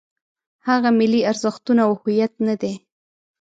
هغه ملي ارزښتونه او هویت نه دی.